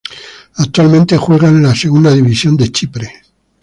Actualmente juega en la Segunda División de Chipre.